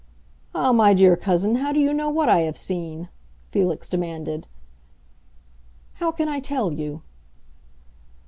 "Ah, my dear cousin, how do you know what I have seen?" Felix demanded. "How can I tell you?"